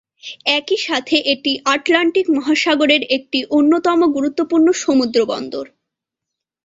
একই সাথে এটি আটলান্টিক মহাসাগরের একটি অন্যতম গুরুত্বপূর্ণ সমুদ্রবন্দর।